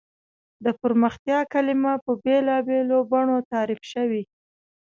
د پرمختیا کلیمه په بېلابېلو بڼو تعریف شوې.